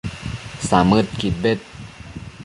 samëdquid bed